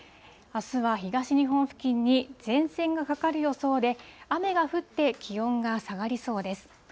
あすは東日本付近に前線がかかる予想で、雨が降って、気温が下がりそうです。